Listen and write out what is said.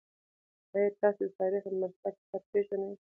آیا تاسي د تاریخ مرصع کتاب پېژنئ؟